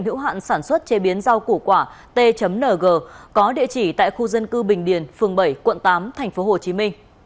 hữu hạn sản xuất chế biến rau củ quả tng có địa chỉ tại khu dân cư bình điền phường bảy quận tám tp hcm